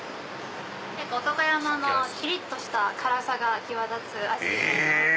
男山のきりっとした辛さが際立つアイスになっております。